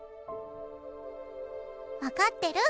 「分かってる？